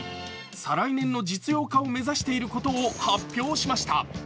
再来年の実用化を目指していることを発表しました。